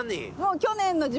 去年の。